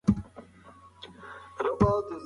زده کوونکي د انټرنیټ په مرسته درسونه لولي.